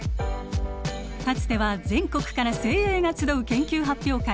かつては全国から精鋭が集う研究発表会